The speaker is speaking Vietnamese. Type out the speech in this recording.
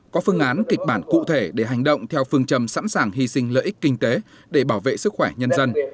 có phương án kịch bản cụ thể để hành động theo phương trầm sẵn sàng hy sinh lợi ích kinh tế để bảo vệ sức khỏe nhân dân